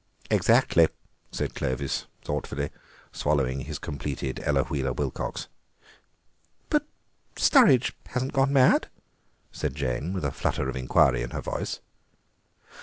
"Exactly," said Clovis thoughtfully, swallowing his completed Ella Wheeler Wilcox. "But Sturridge hasn't gone mad," said Jane with a flutter of inquiry in her voice.